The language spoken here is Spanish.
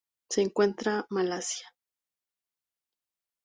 Se encuentra Malasia.